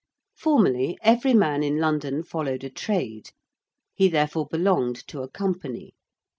Formerly every man in London followed a trade: he therefore belonged to a Company.